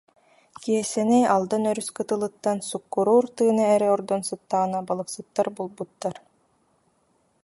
Киэсэни Алдан өрүс кытылыттан суккуруур тыына эрэ ордон сыттаҕына балыксыттар булбуттар